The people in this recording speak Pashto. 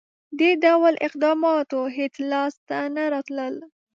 • دې ډول اقداماتو هېڅ لاسته نه راتلل.